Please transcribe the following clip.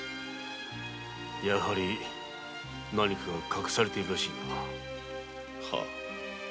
やはり何かが隠されているらしいな。